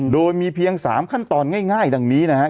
โดยมีเพียง๓ขั้นตอนง่ายดังนี้นะครับ